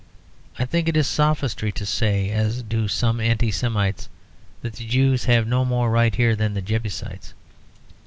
I think it is sophistry to say, as do some Anti Semites, that the Jews have no more right there than the Jebusites.